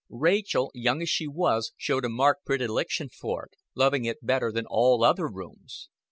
Rachel, young as she was, showed a marked predilection for it, loving it better than all other rooms.